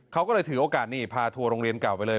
เขาก็เลยถือโอกาสนี่พาทัวร์โรงเรียนเก่าไปเลย